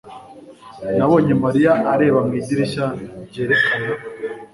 Nabonye Mariya areba mu idirishya ryerekana